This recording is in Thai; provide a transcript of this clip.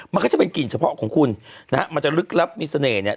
มันก็จะเป็นกลิ่นเฉพาะของคุณนะฮะมันจะลึกลับมีเสน่ห์เนี่ย